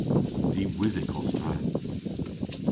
Diwysyk os ta.